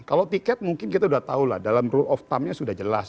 kalau tiget mungkin kita sudah tahu dalam rule of thumbnya sudah jelas